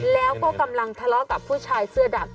แล้วก็กำลังทะเลาะกับผู้ชายเสื้อดำ